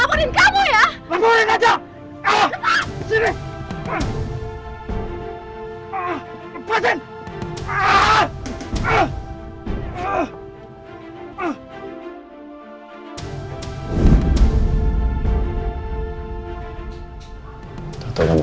lepasin dia jangan ditemuanin ya